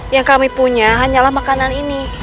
yang kami punya hanyalah makanan ini